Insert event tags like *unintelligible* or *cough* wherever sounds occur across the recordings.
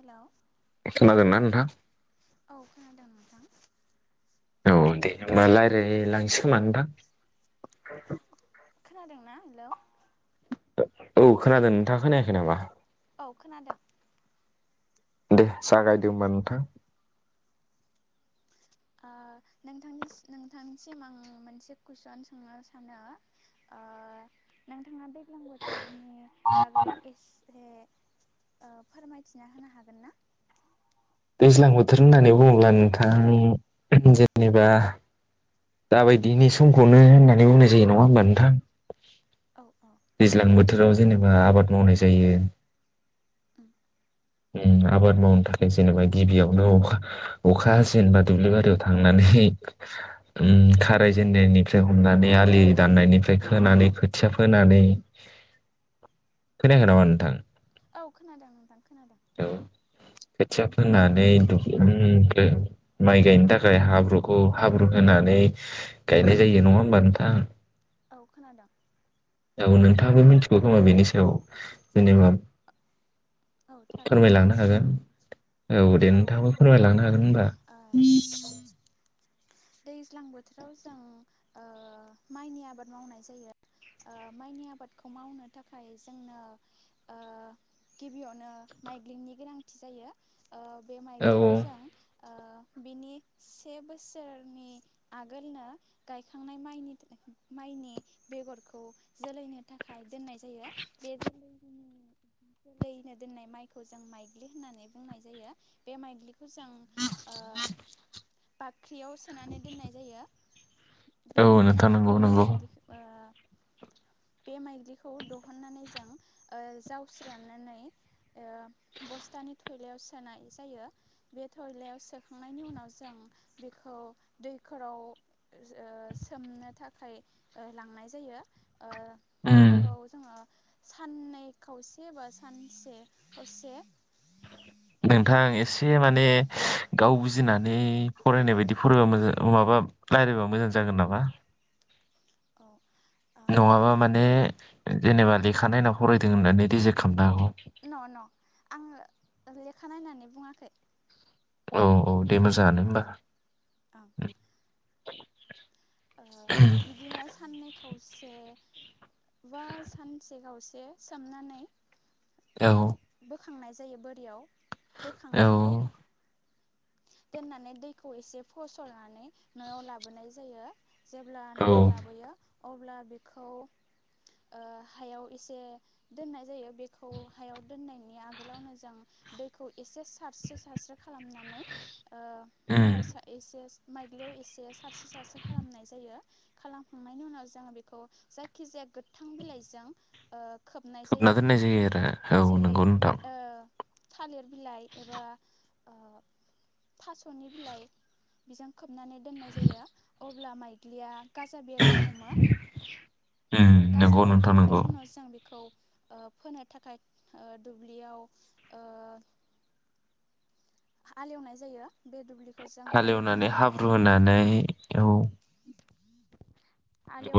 Hello खोनादों ना नोंथां? औ खोनादों नोंथां। औ दे होनोमा रायलाय लांसै खोमा नोंथां। खोनादोंना हेलौ औ खोनादों नोंथाङा खोनायाखै नामा? औ खोनादों। दे जागायदो होनबा नोंथां ओ नोथांनिसि नोंथांसिम आं मोनसे कुइसन सोंनो सानो ओ नोंथाङा बे दैलां बोथोरनि बागै एस हे ओ फोरमायथिना होनो हागोन ना? दैज्लां बोथोर होन्नानै बुङोब्ला नोंथां जेनेबा दाबायदिनि समखौनो होन्नानै बुंनाय जायो नङा होमबा नोंथां? औ औ दैज्लां बोथोराव जेनेबा आबाद मावनाय जायो। उम उम आबाद मावनो थाखाय जेनेबा गिबियावनो अखा अखा हासिगोनबा दुब्लि बारियाव थांनानै उम खाराय जेननायनिफ्राय हमनानै आलि दाननायनिफ्राय खोनानै खोथिया फोनानै खोनायखै नामा नोंथां? औ खोनादों नोंथां खोनादों औ खोथिया फोंनानै द उम बे माइ गायनो थाखाय हाब्रुखौ हाब्रु नायनानै गायनाय जायो नङा होमबा नोंथां औ खोनादों। औ नोंथाङाबो मिथिगौ खोमा बेनि सायाव जेनेबा औ थारैनो फोरमायलांनो मिथिगौ हागोन औ दे नोंथाङो फोरमायलांनो हागोन होनबा औ दैज्लां बोथोराव जों ओ माइनि आबाद मावनाय जायो ओ माइनि आबादखौ मावनो थाखाय जोंनो ओ गिबियावनो माइग्लिंनि गोनांथि जायो ओ बे औ माइग्लिखौ जों ओ बिनि से बोसोरनि आगोलनो गायखांनाय माइनिफ्रय माइनि बेगरखौ जोलैनो थाखाय दोन्नाय जायो बे जों दै होना दोननाय माइखौ जों माइग्लि होननानै बुंनाय जायो बे माइग्लिखौ जों। *inaudible* बाग ख्रियाव सोनानै दोननाय जायो औ बेनि नोंथां उनाव नंगौ बे नंगौ माइग्लि ओ बे मायग्लिखौ दहननानै जों ओ जावस्रो राननानै ओ बस्थानि थयलायाव सोनाय जायो बे थयलायाव सोखांनायनि उनाव जों बेखौ दैखराव ओ सोमनो थाखाय ओ लांनाय जायो। ओ उम बेखौ जोङो साननै खावसे सेबा सानसे हसे नोंथां एसे माने गाव बुजिनानै फरायनाय बायदि फरायबा मोजां माबा रायलायबा मोजां जागोन नामा? औ ओ नङाबा माने जेनेबा लेखानायना फरायदों होननानै रिजेक्ट खालामनो हागौ न न आङोे ले खानायनानै बुङाखै। औ औ। दे मोजाङानो अ होनबा। ओं ओ बिदिनो साननै खावसे। बा सानसे गावसे सोमनानै औ। बोखांनाय जायो बोरियाव। औ बोखांनानै दोननानै दैखौ एसे फसरनानै नआव लाबोनाय जायो। जेब्ला न औ लाबोयो अब्ला बेखौ ओ हायाव एसे दोननाय जायो बेखौ हायाव। दोननायनि आगोलावनो जों दैखौ एसे सारस्रो सारस्रो खालामनानै ओ उम माइआव‌सो एसे। माइग्लियाव एसे सारसो सारसो खालामनाय जायो। खालामखांनायनि उनाव जोङो बेखौ जायखिजाया गोथां बिलाइजों ओ खोबनाय जायो खोबना दोननाय जायो आरो। औ जेरै नंगौ नोंथां ओ थालिर बिलाइ एबा थासनि बिलाइ बिजों खोब नानै दोननाय जायो। अब्ला माइग्लिया गाजा बेरनो हमो उम गाजा नंगौ नोंथां नंगौ बेरखांनायनि उनावसो जों बेखौ ओ फोनो थाखाय ओ दुब्लियाव ओ हालेवनाय जायो। बे दुब्लिखौ जों हालेवनानै आलेवखांनानै हाब्रु होनानै औ।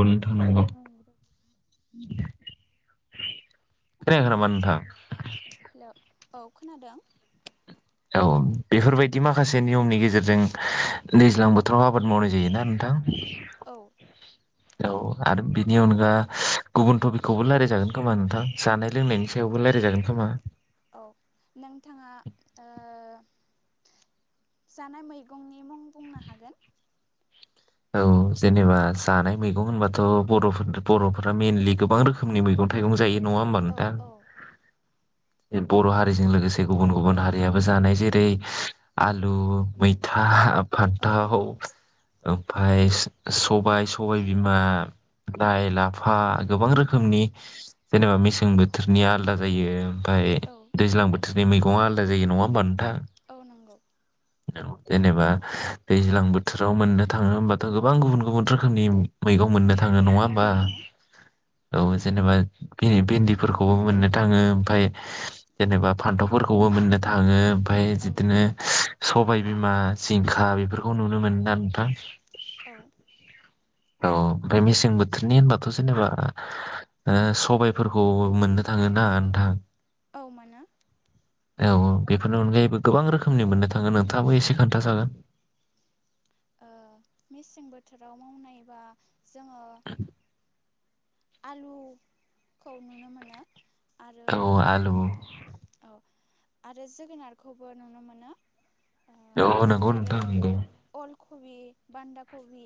उन थानांगौ। खोनायाखै नामा नोंथां? हेलौ औ खोनादों। औ बेफोरबायदि माखासे नियमनि गेजेरजों दैज्लां बोथोराव आबाद मावनाय जायोना नोंथां? औ। औ आरो बिनि अनगा गुबुन थटपिकखौबो रायलाय जागोन खोमा नोंथां जानाय लोंनायनि सायावबो रायलायजागोन खोमा? औ नोंथाङा ओ जानाय मैगंनि मुं बुंनो हागोन? औ जेनेबा जानाय मैगं होनबाथ बरफोर बरफोरा मेनलि गोबां रोखोमनि मैगं थाइगं जायो नङा होनबा औ नोंथां? औ बर हारिजों लोगोसे गुबुन गुबुन हारियाबो जानाय। जेरै आलु, मैथा औ दं फानथाव, ओमफाय स-सबाय, सबाय बिमा, लाइ, लाफा गोबां रोखोमनि जेनोबा मेसें बोथोरनि आलदा जायो। ओमफाय औ दैज्लां बोथोर नि मैगङा आलदा जायो नङा होनबा नोंथां? औ नंगौ। औ जेनेबा दैज्लां बोथोराव मोन्नो थाङो होमबाथ गोबां गुबुन गुबुन रोखोमनि मैगं मोन्नो थाङो नङा औ होमबा? मोनो औ जेनोबा भि-भिन्दिफोरखौबो मोन्नो थाङो ओमफाय औ जेनेबा फान्थावफोर खौबो मोन्नो थाङो। ओमफाय औ बिदिनो सबाय बिमा, जिंखा बेफोरखौ नुनो मोनोना नोंथां? औ। औ ओमफ्राय मेसें बोथोरनि होनबाथ जेनेबा ओ सबायफोरखौ मोन्नो थाङोना नोंथां? औ मोनो। औ बेफोरनि अनगायैबो गोबां रोखोमनि मोननो था ङो नोंथाङाबो एसे खोनथा जागोन। ओ मेसें बोथोराव मावनायबा जोङो *inaudible* आलु खौ नुनो मोनो। आरो औ आलु औ आरो जोगोनारखौबो नुनो मोनो। ओ औ नोंगौ आरो नोंथां नोंगौ। अल कबि बान्दा कबि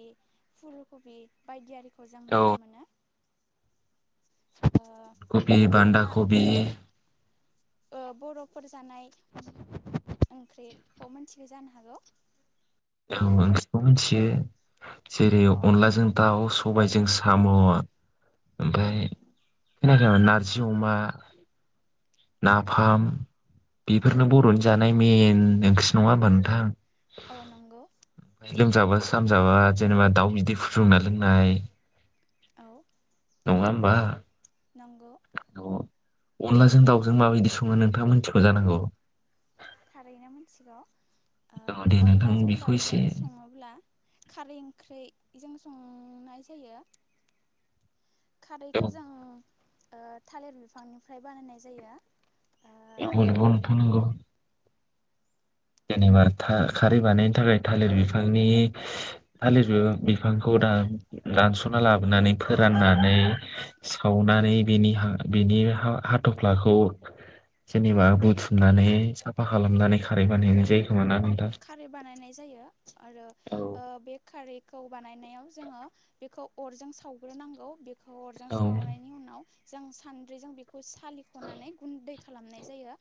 फुलकबि बायदि आरि खौ जों औ नुनो मोनो। ओ कफि बान्दा, नोंथाङा कबि ओ बर'फोर जानाय ओंख्रैखौ मोन्थिगौ जानो हागौ। औ ओंख्रिखौ मिन्थियो। जेरै औ अनलाजों दाउ, सबायाइजों साम' ओमफाय *unintelligible* नार्जि अमा औ नाफाम औ बेफोरनो बर'नि जानाय मेन ओंख्रि नङा होमबा नोंथां? औ नंगौ। लोमजाबा सामजाबा जेनेबा दाउ बिदै फुदुंना लोंनाय। औ। नङा होमबा? नंगौ। अनलाजों दाउ जों माबायदि सङो नोंथाङा मोन्थिगौ जानांगौ। थारैनो मिनथिगौ ओ औ दे नोंथां अनलाजों बेखौ एसे दाउजों सङोब्ला खारै ओंख्रैजों संनाय जायो औ खारैखौ जों ओ थालेर बिफांनिफ्राय बानायनाय जायो *unintelligible* थां नोंगौ जेनेबा था खारै बानायनायनि थाखाय थालिर बिफांनि थालिर बिफां बिफांखौ दान दानसना लाबोनानै ओ औ फोराननानै सावनानै बेनि हा बेनि हा हाथफ्लाखौ जेनेबा बुथुमनानै साफा खालामनानै खा बानायहैनाय जायो खोमाना खारै बानायनाय जायो आरो औ ओ बे खारै खौ बानायनायाव जोङो बेखौ अरजों सावग्रोनांगौ बे खौ अरजों औ सावनायनि उनाव जों सानद्रिजों बेखौ सालिखनानै गुनदै खालामनाय जायो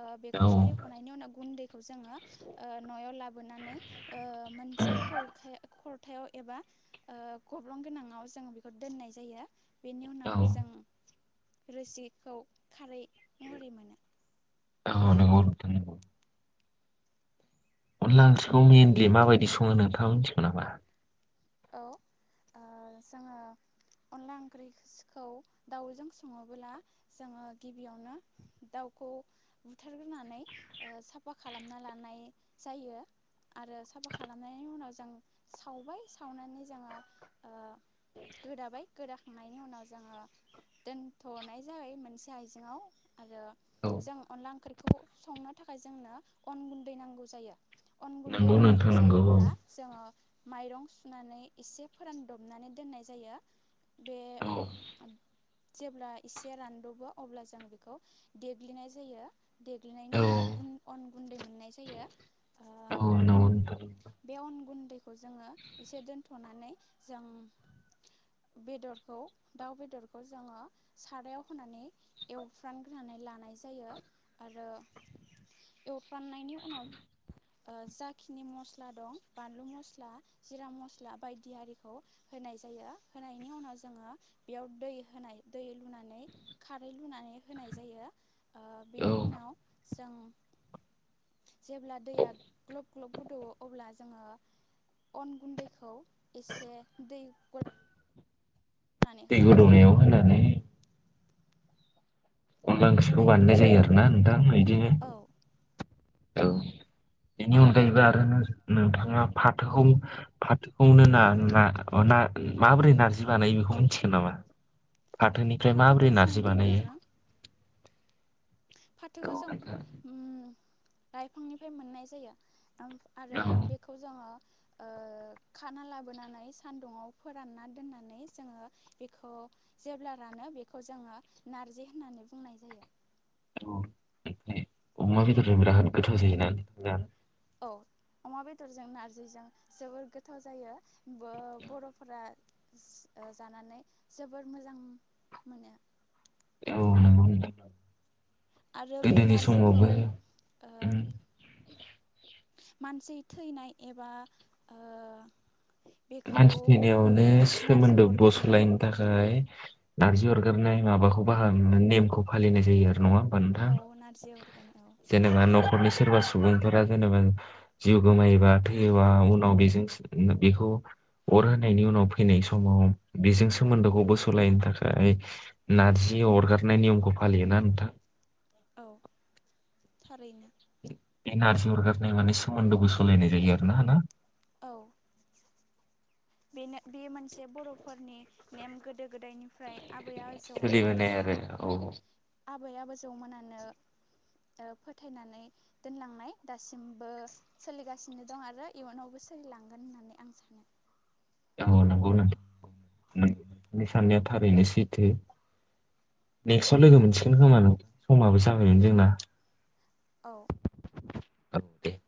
ओ औ बेखौ सालिखनायनि उनाव गुनदै खौ जोङो ओ नयाव लाबोनानै ओ मोनसे खरखाय खर थायाव एबा ओ गब्लं गोनाङाव जों बेखौ दोननाय जायो बेनि औ उनाव जों रोसिखौ खारै महरै मोनो औ औ नंगौ नोंथां अनला ओंख्रिखौ मेइनलि माबायदि सङो नोंथाङा मिथिगौ नामा औ ओह जोङो अनला ओंख्रिसिखौ दाउजों सङोबोला जोङो गिबियावनो दाउखौ बुथारग्रोनानै ओ साफा खालामना लानाय जायो आरो साफा खालामनायनि उनाव जों सावबाय सावनानै जोङो ओह गोदाबाय गोदाखांनायनि उनाव जोङो दोनथनाय जाबाय मोनसे आइजेंआव आरो औ जों अनला ओंख्रिखौ संनो थाखाय जोंनो अन गुन्दै नांगौ जायो अन गुन्दै नंगौ नांगौ नोंथां नंगौ औ जायोब्ला जोङो माइरं नानै एसे फोरानदबनानै दोननाय जायो बे औ जेब्ला एसे रानदबो अब्ला जों बेखौ देग्लिनाय जायो देग्लिनायनि औ उनाव गुन अन गुन्दै मोननाय जायो ओ औ नंगौ नोंथां बे अन गुन खौ जोङो एसे दोनथनानै जों बेदरखौ दाउ बेदरखौ जोङो सारायाव होनानै एवफ्रामग्रोनानै लानाय जायो आरो एवफ्रामनायनि उनाव ओह जाखिनि मस्ला दं बानलु मस्ला जिरा मस्ला बायदि आरिखौ होनाय जायो होनायनि उनाव जोङो बेयाव दै होनाय दै लुनानै खारै लुनानै होनाय जायो ओह औ बेनि उनाव जों जेब्ला दैया ग्लब ग्लब गोदौवो अब्ला जोङो अन गुन्दैखौ एसे दै गलायनानै दै होनाय गोदौनायाव जायो होनानै अनला ओंख्रिखौ होनायनि बानायनाय जायो आरोना नोंथां बिदिनो औ औ बेनि अनगायैबो आरो नो नोंथाङा फाथोखौ फाथोखौनो ना - ना अ ना माबोरै नारजि बानायो बेखौ मिथिगोन नामा? फाथोनिफ्राय फाथोखौ माबोरै जों नार्जि बानायो? गिबियावनो औ फाथोखौ जों नोंथां ओम लाइफांनिफ्राय मोननाय जायो आरो बेखौ जोङो ओह खाना लाबोनानै सानदुंआव फोरानना दोननानै जोङो बेखौ जेब्ला रानो बेखौ जोङो नारजि होननानै बुंनाय जायो। अमा बेदरजों बेराद गोथाव जायोना जानो औ अमा बेदरजों नारजिजों जोबोर गोथाव जायो बो बर'फोरा ओह जानानै जोबोर मोजां मोनो औ नोंगौ नोंथां आरो बे गोदोनि नारजिखौ समावबो ओ उम मानसि थैनाय एबा ओ बेखौ मानसि थैनायावनो नारजि सोमोन्दो अरगारनाय बसलायनो थाखाय नारजि अरगारनाय माबाखौ बाहा नेमखौ फालिनाय जायो आरो नङा नोंथां औ नारजि अरगारनाय औ जेनेबा न न'खरनि सोरबा सुबुंफोरा जेनेबा जिउ गोमायोबा थैयोबा उनाव बेजों सो बेखौ अर होनायनि उनाव फैनाय समाव बेजों सोमोन्दोखौ बोसलायनो थाखाय नारजि अरगारनाय नियमखौ फालियोना नोंथां औ थारैनो बे नारजि अरगारनाय माने सोमोन्दो बोसलायनाय जायो आरो ना ना? औ बेनो बे मोनसे बर'फोरनि नेम गोदो गोदायनिफ्राय आबै आ जौ मोनानो सोलिबोनाय आरो औ आबै आजौ मोनानो ओ फोथायनानै दोनलांनाय दासिमबो सोलिगासिनो दं आरो इयुनावबो सोलिलांगोन होननानै आं सानो औ नंगौ नोंथां नोंथांनि साननाया थारैनो सैथो नेक्स्टआव लोगो मोनसिगोन खोमा नोंथां समाबो जाबायगोन जोंना औ *inaudible*